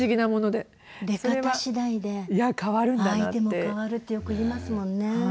出方次第で相手も変わるってよく言いますもんね。